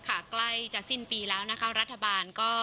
ใกล้จะสิ้นปีแล้วนะคะรัฐบาลก็